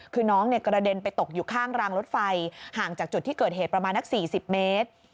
คือน้องกระเด็นไปตกอยู่ข้างรางรถไฟห่างจากจุดที่เกิดเหตุประมาณนัก๔๐เมตร